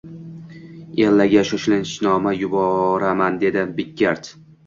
Ellaga shoshilinchnoma yuboraman, dedi Brekket